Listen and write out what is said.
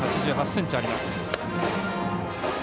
１８８ｃｍあります。